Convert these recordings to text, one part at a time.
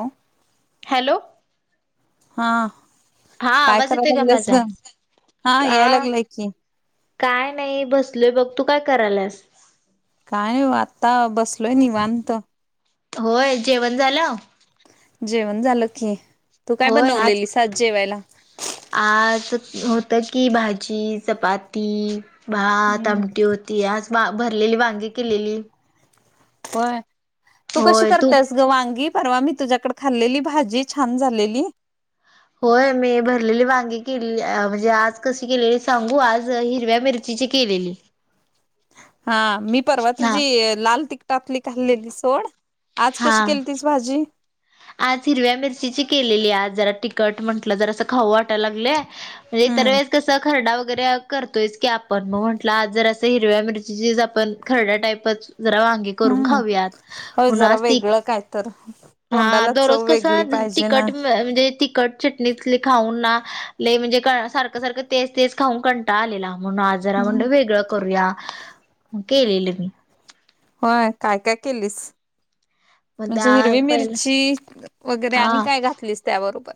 हो. हॅलो हा... हा काय आवाज कराय येतोय का लागलीस माझा? गं... हा याय का लागलाय की काय नाई... बसलोय बघ... तू काय करायलास? काय... आता बसलोय निवांत. होय... जेवण झालं? जेवण झालं की... तू काय बनवलेलीस आज जेवायला? आज होतं की... भाजी चपाती भात, हम्म आमटी होती... आज भरलेली वांगी केलेली होय... तू कशी करतेस? अगं... वांगी... परवा मी तुझ्याकडे खाल्लेली भाजी छान झालेली होय... मी भरलेली वांगी केलीली... म्हणजे आज कशी केलेली सांगू... आज हिरव्या मिरचीची केलेली [inaudible] हा... मी परवा हा तुझी लाल तिकटातली खाल्लेली सोड... आज कशी हा केलतीस? भाजी आज हिरव्या मिरचीची केलेली... आज जरा तिकट म्हंटलं जरा असं खाऊ वाटाय लागलंय इतर हम्म वेळेस कसं खरडा वगैरे... करतोयच की आपण... मग म्हटलं आज जरासं हिरव्या मिरचीचीच आपण... खरडा टाईपच जरा वांगे करून हम्म खाऊयात.. होय म्हणून जरा आज ती वेगळं काय तर हा... तोंडाला दररोज चव वेगळी कसं... पाहिजे ना तिखट म्हणजे तिखट... चट निचली खाऊन ना... लई म्हणजे सारखं सारखं... तेच तेच खाऊन कंटाळा आलेला म्हणून आ जरा हम्म म्हटलं वेगळं करूया... केलेलं मी व्हय... काय काय केलीस? मग म्हणजे त्या हिरवी पहिलं मिरची... वगैरे... हा आणि काय घातलीस त्याबरोबर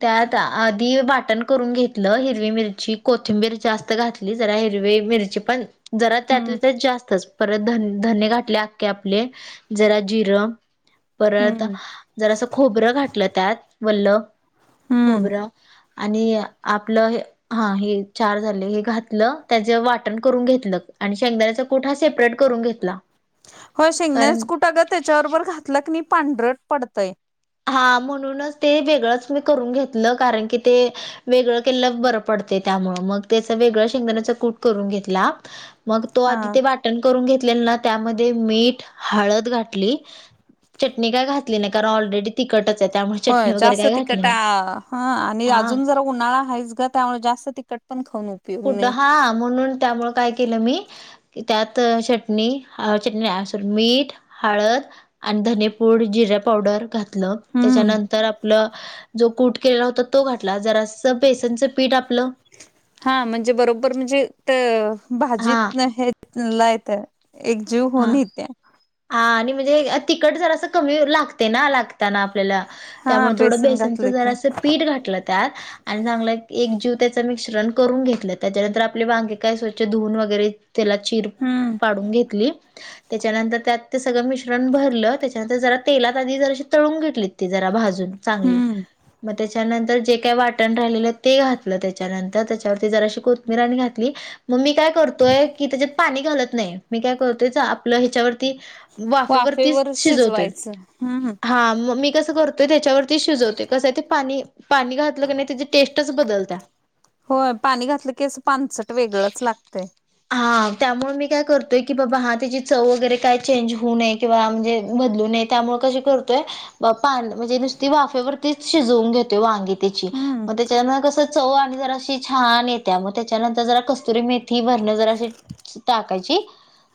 त्यात आधी वाटण करून घेतलं.. हिरवी मिरची, कोथिंबीर जास्त घातली ली जरा हिरवी मिरची पण जरा हम्म त्यातले त्यात जास्तच... परत धन... धने घातले आख्खे आपले... जरा जिरं परत हम्म जरासं खोबरं घातलं त्यात वल्ल हम्म खोबरं आणि आपलं हे हा... हे चार झाले... हे घातलं, त्याचे वाटण करून घेतलं... आणि शेंगदाऱ्याचं कुट हा सेपरेट करून घेतला होय... कारण शेंगदाण्याचा कुट अगं... त्याच्याबरोबर घातला की नई पांढरट पडतंय हा... म्हणूनच ते वेगळंच मी करून घेतलं... कारण की ते वेगळं केलेलं बरं पडतं त्यामुळं... मग त्याचा वेगळा शेंगदाण्याचा कूट करून घेतला मग तो... हा आधी ते वाटण करून घेतलेला ना... त्यामध्ये मीठ, हळद घातली चटणी काय घातली नाही कारण ऑलरेडी तिखटच आहेत. होय, जास्त तिकट हा आणि हा अजून जरा उन्हाळा आहेच गं त्यामुळे जास्त तिखट पण खाऊ नको! कुठं, हा म्हणून त्यामुळे काय केलं मी की त्यात चटणी, चटणी सॉरी मीठ, हळद आणि धनेपूड, जिरे पावडर घातलं हम्म त्याच्यानंतर तर आपलं जो कूट केलेला होता तो घातला, जरासं बेसनचं पीठ आपलं हा, म्हणजे बरोबर म्हणजे तं हा भाजीत हे लायत एक जीव होऊन हा येत्या. हा आणि म्हणजे तिखट जरासं कमी लागतय ना लाग त्यांना आपल्याला, हा त्यामुळ थोडं बेसन घातलं बेसनचं की जरा असं पीठ घातलं त्यात आणि चांगलाय एक जीव त्याच मिश्रण करून घेतलं त्याच्यानंतर आपले वांगे काय स्वच्छ धुवून वगैरे त्याला चिर हम्म पाडून घेतली त्याच्यानंतर त्यात ते सगळं मिश्रण भरलं त्याच्यानंतर जरा तेलात आधी जराशी तळून घेतलीत ते जरा भाज चांगली, हम्म तेच्यात त्या नंतर जे काय वाटण राहिललं ते घातलं त्याच्यानंतर त्याच्यावरती जराशी कोथिंबीर आणि घातली. मग मी काय करतोय कि त्याच्यात पाणी घालत नाही, मी काय करतोयच आपलं ह्याच्यावरती वाफेवरतीच वाफेवर शिजवतोय शिजवायचं हम्म हा मग मी कस करतोय त्याच्यावरती शिजवतोय कसं हाय ते पाणी पाणी घातलं की नाही त्याची टेस्टच बदलतीया. होय, पाणी घातलं की असं पाणचट वेगळंच लागतंय हा त्यामुळे मी काय करतोय की बाबा हा त्याची चव वगैरे काय चेंज होऊ नये किंवा म्हणजे बदलू नयेत त्यामुळे कशी करतोय म्हणजे नुसती वाफेवरतीच शिजवून घेतोय वांगी तेची. हम्म मग त्याच्यानंतर कस चव आणि जर अशी छान येत्या मग त्याच्यानंतर जरा कस्तुरी मेथी भर मग जराशी टाकायची,,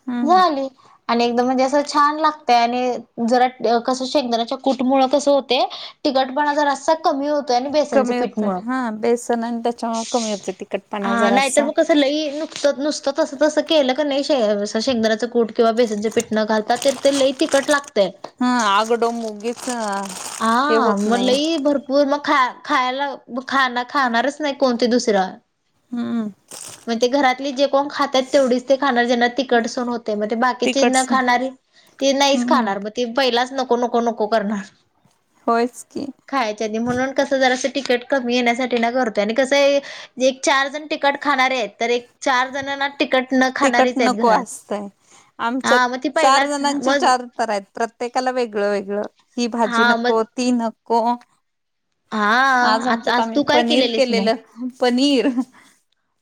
हम्म. झाली. आणि एकदम म्हणजे असं छान लागतंय आणि जरा कसं शेंगदाण्याच्या कुटमुळं कसं हुतयं तिकटपणा जरा असाच कमी होतोय आणि बेसनाच्या कमी होतंय पीठमुळ, हा बेसन आणि त्याच्यामुळे कमी होतंय तिखटपणा हा नाहीतर जरासा. मग कसं लई, नुक नुसतं तसं तसं केलं कणी शेंगदाण्याचं कूट किंवा बेसनच पिठ न घालात तर ते लई तिखट लागतय. [unintelligible] आ, हे होत मग नाही. लई भर पूर्ण खा, खायला, ब खा, खाणारच नाही कोण ते दुसरं. हम्म. मग ते घरातली जे कोण खात्यात तेवढीच ते खाणार ज्यांना तिकट सहन होत ते मग, बाकीची न तिखटसर. खाणारी ती नाहीच हम्म. खाणार मग ती पहिलाच नको, नको, नको करणार. होयच की. खायाच्या आधी म्हणून कसं जरा असं तिकट कमी येण्यासाठी ना करतोय आणि कसं एक चार जण तिकट खाणारे आहेत तर एक चार जणांना तिकट न तिकट खाणारीच आहेत नको घरात. असतंय, आमच्यात हा मग ती चार पहिलाच जणांची मग चार तर आहेत प्रत्येकाला वेगळं -वेगळं ही भाजी हा नको, मग ती नको. हा आज आता आमच्यात आम्ही तू काय पनीर केलेलीस मग? केलेलं पनीर.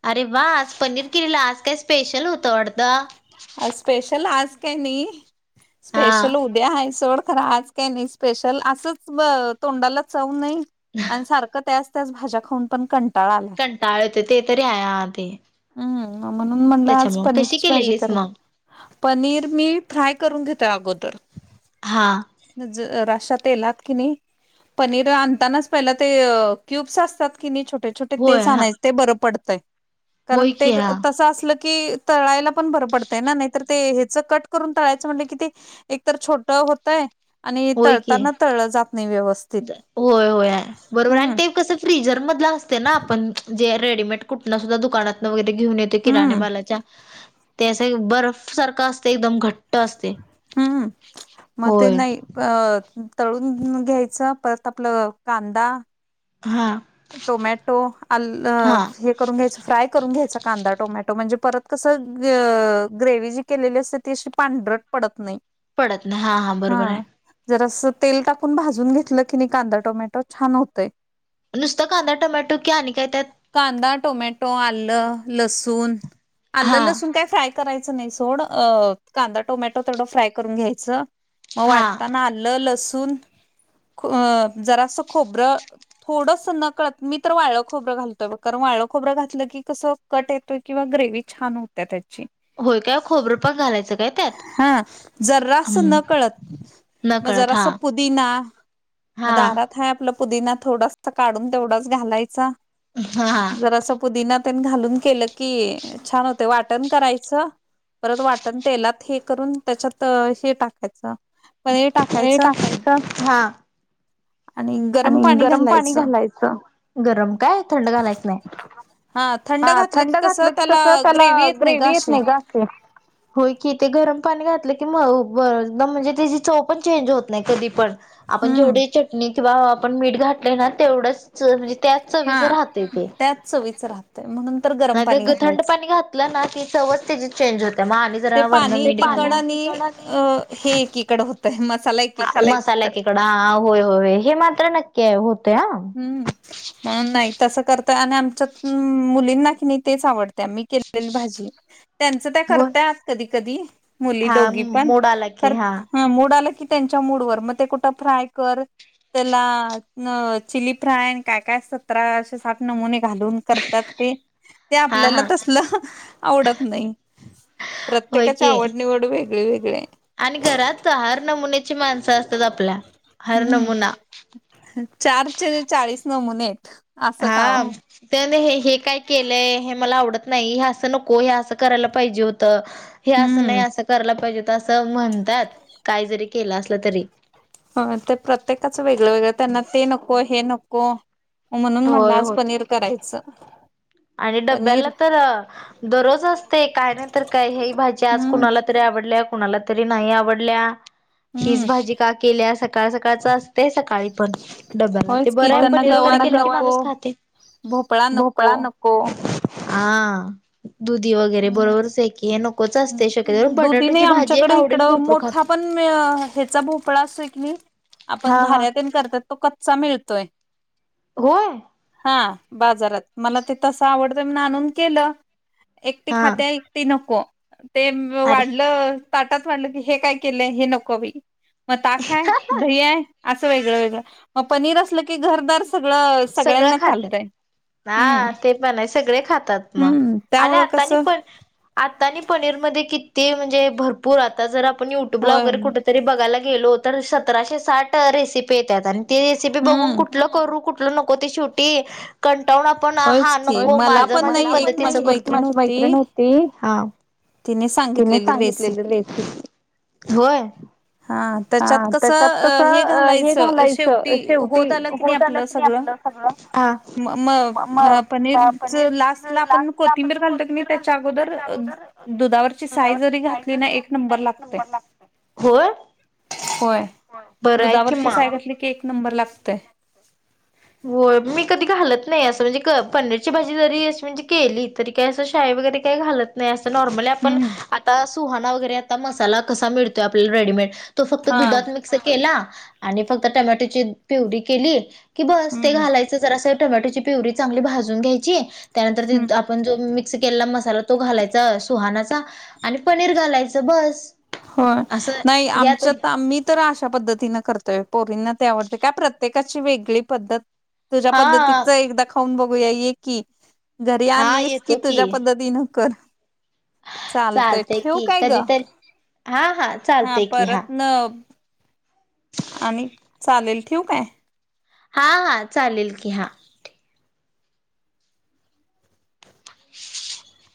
अरे वा! आज पनीर केलेला आज काय स्पेशल होतं वाटत? स्पेशल आज काय नाही, हा स्पेशल उ ते आहे सोड, खरं आज काय नाही स्पेशल असंच तोंडाला चव नाही. आणि सारखं त्याच त्याच भाज्या खाऊन पण कं कंटाळ येतोय ते तरी आहे हा ते. हम्म! म्हणून म्हणलं आज त्याच्यामुळे कशी पनीरची भाजी केलेलीस कर मग? पनीर मी फ्राय करून घेतोय अगोदर. हां. जराश्या तेलात की नाही. पनीर आणतानाच पहिलं ते क्यूब्स असतात कि नाही छोटे- छोटे होय तेच हा आणायचं ते बरं पडतंय कारण होय ते की हा तसं असलं की तळायला पण बरं पडतयं ना, नाही तर ते हेच कट करून तळायचं म्हटलं कि ते एक तर छोट होतयं आणि होय की तळताना तळलं जात नाही व्यवस्थ. होय होय, बरोबर आहे. आणि ते कस फ्रीजर मधलं असतंय ना आपण जे रेडीमेड कुठनं सुद्धा दुकानातनं वगैरे घेऊन येतोय किराणे हम्म मालाच्या. ते‌ असं बर्फ सारखं असतयं, एकदम घट्ट असतयं हम्म मग ते होय. नाही अ तळून घ्यायचं परत आपलं कांदा हा. टोमॅटो, आलं हा हे करुन घ्यायचं फ्राय करून घ्यायचा कांदा टोमॅटो म्हणजे परत कसं ग- ग्रेव्ही जी केलेली असत्या ती अशी पांढरट पडत नाही. पडत नाह हा हा बरोबर आहे. जरासं तेल टाकून भाजून घेतलं की नाही कांदा टोमॅटो छान होतयं. नुसतं कांदा, टोमॅटो की आणि काय त्यात? कांदा, टोमॅटो, आलं, लसूण, आलं हा लसूण काय फ्राय करायच नाही सोड, अ कांदा, टोमॅटो तेवढं फ्राय करून घ्यायचं. मग हा वाटताना आलं, लसून अ जरासं खोबरं थोडसं न कळत मी तर वाळलं खोबरं घालतो. कारण वाळ खोरं घातलं की कसं कट येतोय किंवा ग्रेवी छान होते त्याची. होय काय खोबरं पण घालायचं काय त्यात हं, जर रस न हम्म कळत. मग नकळत जरा हा स पुदीना मग हा दारात आहे आपलं पुदीना थोडस काढून तेवढाच घालायचा. हा हा. तर अस पुदीना तेन घालून केलं की छान होते. वाटण करायचं. परत वाटण तेलात हे करून त्याच्यात हे टाकायचं हे टाकायचं. हा. आणि गरम पाणी घालायचं. गरम काय? थंड घालायचं नाही. हा थंड घातलं की कसं त्याला ग्रेव्ही येत नाही गं. ते होय की ते गरम पाणी घातलं की मग म्हणजे त्याची चव पण चेंज होत नाही कधी पण आपण हम्म जेवढी चटणी किंवा आपण मीठ घातलयं ना तेवढंच म्हणजे त्याच हा चवीचं राहतयं ते, त्याच चवीच राहतय म्हणून तर गरम नाही पाणी तर थंड घालायचं पाणी घात घातल ना की चवच त्याची चेंज होते म आम्ही ते पाणी एकीकड आणि अ हे एकीकड होतय मसाला एक मसाला एकिकड हा हा होय होय हे मात्र नक्की आहे होतय हा. हम्म! म्हणून नाही तसं करतय आणि आमच्यात मुलींना की नाही तेच आवडते मी केलेली भाजी. त्यांचं त्या होय. करताय कधी कधी मुली हा दोघी पण मोड आला की कर हा मूड आलं की, त्यांच्या मूडवर, मग ते कुठं फ्राय कर त्याला चिली फ्राय, आणि काय-काय सतराशे साठ नमुने घालून करतात ते, ते हा आपल्याला हा तसलं आवडत नाही. होय प्रत्येकाची की. आवड निवड वेगळी-वेगळी आहे. आणि घरात हर नमुन्याची माणसं असतात आपल्या, हर नमुना चारशे-चाळीस नमुने आहेत. असं काम हा. आहे ते हे हे काय केलंय, हे मला आवडत नाही, हे असं नको, हे असं करायला पाहिजे होतं. हे असं नाही, हम्म असं करायला पाहिजे, असं म्हणतात, काही जरी केलं असलं तरी. ते प्रत्येकाच वेगळं-वेगळं, त्यांना ते नको, हे नको. म्हणून म्हणलं होय आज होते पनीर करायचं. आणि पनीर डब्याला तर दररोज असतय, काय नाही तर काय, हे भाजी आज हम्म कुणाला तरी आवडल्या, कुणाला तरी नाही आवडल्या हम्म हीच भाजी का केल्या, सकाळ सकाळच असतय, सकाळी पण डब्याला ते होयच की बरय, त्यांना पनीर वगैरे गवारी केलं की नको माणूस खातंय, भोपळा नको हो, आ दुधी वगैरे, हम्म बरोबरच आहे की हे नकोच असते शक्यतो, पण दुधी नाही बटाटोची भाजी एक आमच्याकडे आवडीने इकडं भरपूर मोठा खातो. पण ह्याचा भोपळा असतोय की, आपण हा हा घऱ्यातेन करतात तो कच्चा मिळतोय. होय? हा बाजारात, मला तो तसा आवडतोय म्हणून आणून केलं एकटी हा खात्या एकटी नको, ते अरे वाढलं ताटात वाढल की, हे काय केलंय, हे नको बाई, मग ताक आहे, दही आहे असं वेगळं-वेगळं, मग पनीर असलं की घरदार सगळं सगळं सगळ्यांना खात्यात, चालतंय हा हम्म ते पण आहे सगळे खातात मग. हम्म आणि त्यामुळं आता नि, कसं पण आता आणि पनीरमध्ये किती म्हणजे भरपूर आता जर आपण ट्यूबला होय वगैरे कुठेतरी बघायला गेलो, तर सतराशे-साठ रेसिपी येतात, आणि ती रेसिपी बघून हम्म कुठलं करू, कुठलं नको ते शेवटी कंटाळून आपण होयच हा की नको मला माझ पण माझ्या नाही एक पद्धतीचं माझी करतो, मैत्रिण माझी मैत्रिण होती, हा तिने तिने सांगितलेल सांगितलेली रेसिपी, रेसिपी होय. हा त्याच्यात कसं, हे घालायचं शेवटी, होत आलं की नाही आपलं सगळं म म मग पनीरच पनीर लास्टला आपण कोथिंबीर घालतो की नाही च्या अगोदर दुधावरची साय जरी घातली ना, एक नंबर लागतय. होय, दुधावरची साय घातली की, एक नंबर लागतय. होय, मी कधी घालत नाही असं, म्हणजे पनीरची भाजी जरी अशी म्हणजे केली, तरी तरी असं साय वगैरे काय घालत नाही. नाही असं नॉर्मली आपण, हम्म आता सुहाणा वगैरे आता मसाला कसा मिळतोय, आपल्याला रेडीमेड. तो फक्त हा दुधात मिक्स केला, आणि फक्त टमॅटोची पिवडी केली कि बस, ते हम्म घालायचं जरास, टोमॅटोची प्युरी चांगली भाजून घ्यायची त्यानंतर जे हम्म आपण जो मिक्स केलेला मसाला तो घालायचा सुहानाचा, आणि पनीर घालायच बस. होय, असं नाही हे आता आमच्या तर आम्ही तर अशा पद्धतीनं करतोय, पोरींना ते आवडतय काय प्रत्येकाची वेगळी पद्धत तुझ्या हा पद्धतीच एकदा खाऊन बघूया ये की घरी हा आलीस, की येतो तुझ्या पद्धतीन कर. चालतय चालतेय ठेवू की काय ग कधीतरी हा हा. हा चालतय की परत न आणि चालेल ठेवू काय? हा हा चालेल की हा. ह. [unintelligible]